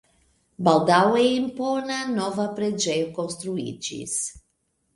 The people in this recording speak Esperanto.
Baldaŭe impona, nova preĝejo konstruiĝis.